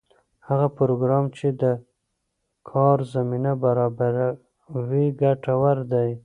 هغه پروګرام چې د کار زمینه برابروي ګټور دی.